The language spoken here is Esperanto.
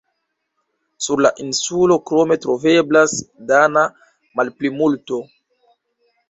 Sur la insulo krome troveblas dana malplimulto.